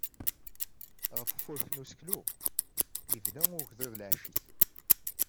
Ɣef ufurek n useklu, yebna ugḍiḍ lɛecc-is.